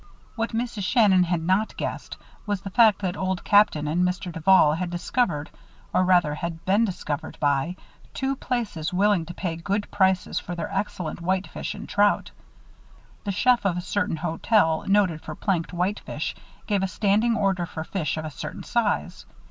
What Mrs. Shannon had not guessed was the fact that Old Captain and Mr. Duval had discovered or, rather, had been discovered by two places willing to pay good prices for their excellent whitefish and trout. The chef of a certain hotel noted for planked whitefish gave a standing order for fish of a certain size.